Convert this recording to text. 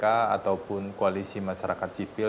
ataupun koalisi masyarakat sipil